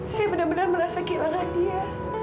saya benar benar merasa kehilangan dia